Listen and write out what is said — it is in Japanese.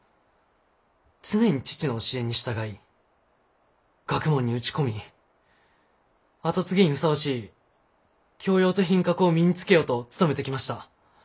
常に父の教えに従い学問に打ち込み後継ぎにふさわしい教養と品格を身につけようと努めてきました。